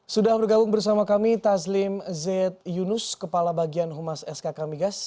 sudah bergabung bersama kami taslim z yunus kepala bagian humas skk migas